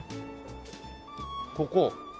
ここ？